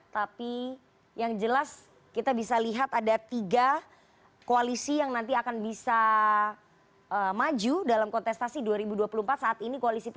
tapi yang jelas kita bisa lihat ada tiga koalisi yang nanti akan bisa maju dalam kontestasi dua ribu dua puluh empat saat ini